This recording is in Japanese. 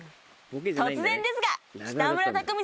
突然ですが。